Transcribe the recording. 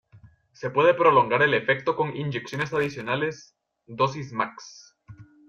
Se puede prolongar el efecto con inyecciones adicionales; dosis máx.